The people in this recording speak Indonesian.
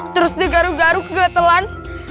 terus digaru garu ke gatelan